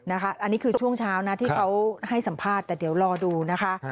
อันนี้คือช่วงเช้านะที่เขาให้สัมภาษณ์แต่เดี๋ยวรอดูนะคะ